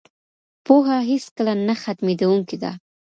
پوهه هیڅکله نه ختميدونکي ده.